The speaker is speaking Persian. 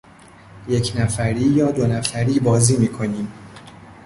یک نفری یا دونفری بازی میکنیم.